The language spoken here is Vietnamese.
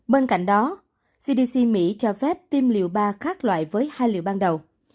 bên cạnh đó cdc mỹ cho phép tiêm liều ba khác loại với hai liệu ban đầu